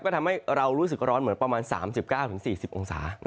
ก็ทำให้เรารู้สึกร้อนเหมือนประมาณ๓๙๔๐องศา